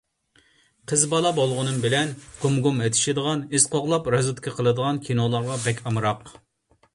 قىز بالا بولغىنىم بىلەن گۇم-گۇم ئېتىشىدىغان، ئىز قوغلاپ رازۋېدكا قىلىدىغان كىنولارغا بەك ئامراق.